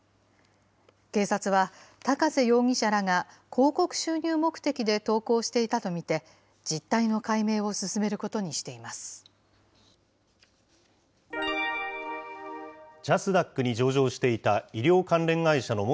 警察は、高瀬容疑者らが広告収入目的で投稿していたと見て、実態の解明を進めることにしています。